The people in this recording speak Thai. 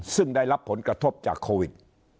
ซึ่งได้รับผลกระทบจากโควิด